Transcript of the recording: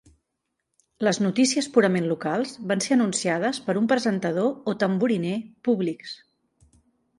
Les notícies purament locals van ser anunciades per un presentador o tamboriner públics.